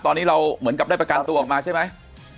ตอนนี้เราเหมือนกับได้ประกันตัวออกมาใช่ไหม